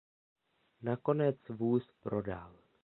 Nakonec vůz prodal.